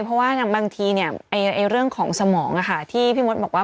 เพราะว่าบางทีเรื่องของสมองที่พี่มดบอกว่า